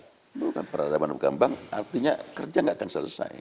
bukan peradaban berkembang artinya kerja nggak akan selesai